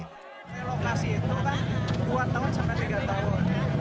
relokasi itu kan dua tahun sampai tiga tahun